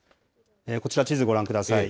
こちら、地図ご覧ください。